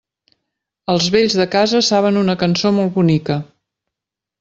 Els vells de casa saben una cançó molt bonica.